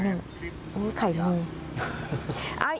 อุ๊ยไข่งู